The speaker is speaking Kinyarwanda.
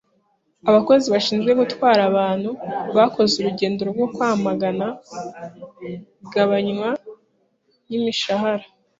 Abakozi bashinzwe gutwara abantu bakoze urugendo rwo kwamagana igabanywa ry’imishahara.